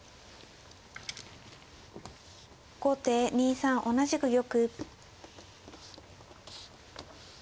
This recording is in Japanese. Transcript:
後手２三同じく玉。